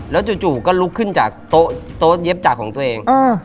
จู่ก็ลุกขึ้นจากโต๊ะเย็บจากของตัวเอง